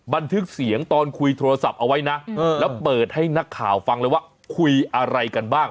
บันทึกเสียงตอนคุยโทรศัพท์เอาไว้นะแล้วเปิดให้นักข่าวฟังเลยว่าคุยอะไรกันบ้าง